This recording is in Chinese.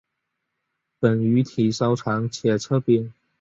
本鱼体稍长且侧扁。